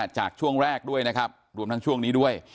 จากช่วงแรกด้วยนะครับรวมทั้งช่วงนี้ด้วย